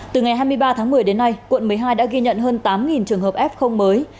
từ ngày hai mươi ba tháng một mươi đến nay quận một mươi hai đã ghi nhận hơn tám trường hợp f mới